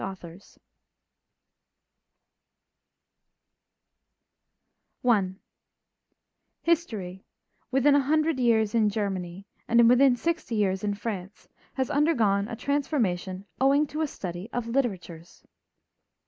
(1863)[A] I History, within a hundred years in Germany, and within sixty years in France, has undergone a transformation owing to a study of literatures.